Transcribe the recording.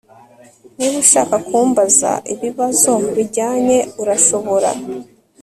Niba ushaka kumbaza ibibazo bijyanye urashobora